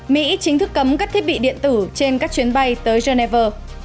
mỹ chính thức cấm các thiết bị điện tử trên các chuyến bay tới geneva